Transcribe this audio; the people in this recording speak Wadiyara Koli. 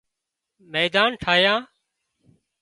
ميڌان ٺاهيان